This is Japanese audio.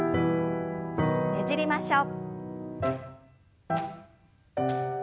ねじりましょう。